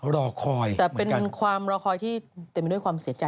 รอคอยแต่เป็นความรอคอยที่เต็มไปด้วยความเสียใจ